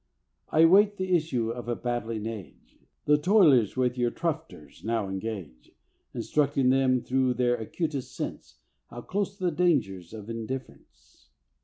I wait the issue of a battling Age; The toilers with your "troughsters" now engage; Instructing them through their acutest sense, How close the dangers of indifference!